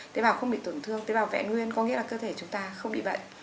tế bào không bị tổn thương tế bào vẹn nguyên có nghĩa là cơ thể chúng ta không bị bệnh